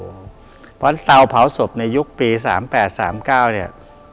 เพราะฉะนั้นเตาเผาศพในยุคปี๓๘๓๙เนี่ย